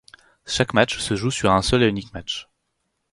Chaque match se joue sur un seul et unique match.